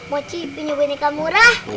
mau ci punya boneka murah